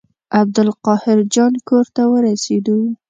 عبدالقاهر جان کور ته ورسېدو.